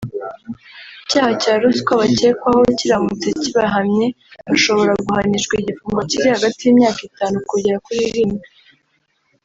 Icyaha cya ruswa bakekwaho kiramutse kibahamye bashobora guhanishwa igifungo kiri hagati y’imyaka itanu kugera kuri irindwi